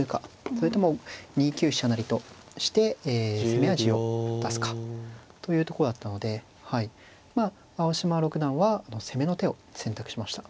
それとも２九飛車成として攻め味を出すか。というとこだったので青嶋六段は攻めの手を選択しました。